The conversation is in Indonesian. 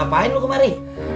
ngapain lu kemari